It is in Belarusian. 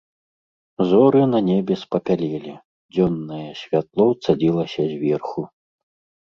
Зоры на небе спапялелі, дзённае святло цадзілася зверху.